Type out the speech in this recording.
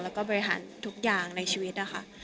และในชีวิตนะคะ